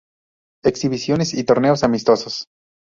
Exhibiciones y torneos amistosos